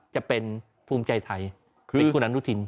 จะเป็นภูมิใจไทย